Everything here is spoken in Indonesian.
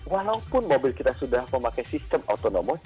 walaupun mobil kita sudah memakai sistem autonomous